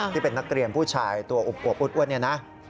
ที่เป็นนักเรียนผู้ชายตัวอวบอ้วนเนี่ยนะ